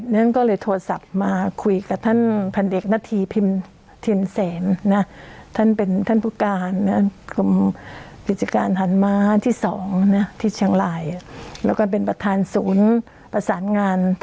นั่นก็เลยโทรศัพท์มาคุยกับท่าน